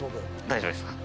大丈夫ですか？